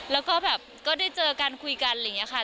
แล้วก็แบบก็ได้เจอกันคุยกันอะไรอย่างนี้ค่ะ